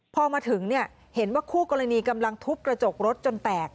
พอมาถึงเห็นว่าคู่กรณีกำลังทุบกระจกรถจนแตก